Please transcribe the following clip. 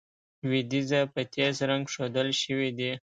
لوېدیځه په تېز رنګ ښودل شوي دي.